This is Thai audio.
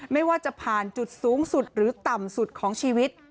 ไม่ว่าจะผ่านจุดสูงสุดหรือต่ำสุดของชีวิต